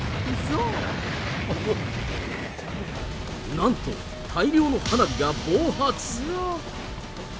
なんと、大量の花火が暴発。